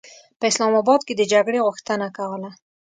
په اسلام اباد کې د جګړې غوښتنه کوله.